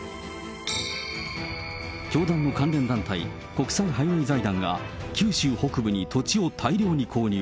教団の関連団体、国際ハイウェイ財団が、九州北部に土地を大量に購入。